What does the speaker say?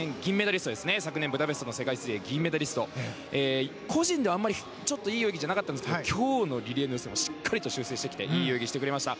昨年ブダペストの世界水泳銀メダリスト個人であまりちょっといい泳ぎではなかったんですが今日のリレーの予選は修正してきていい泳ぎをしてくれました。